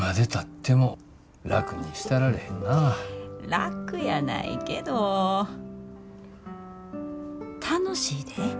楽やないけど楽しいで。